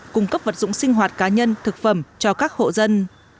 cung cấp vật dụng sinh hoạt cá nhân thực phẩm cho các hộ dân